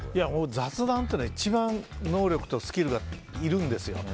雑談っていうのは一番能力とスキルがいるんですよ。